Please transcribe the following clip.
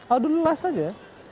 aduh lelah saja ya